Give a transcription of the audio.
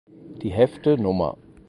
Die Hefte Nr.